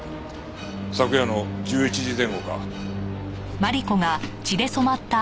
昨夜の１１時前後か。